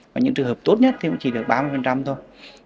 và những trường hợp tốt nhất thì cũng chỉ được ba mươi thôi